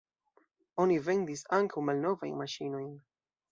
Oni vendis ankaŭ malnovajn maŝinojn.